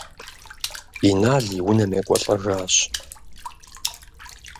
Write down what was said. Инал и унэм екӏуэлӏэжащ.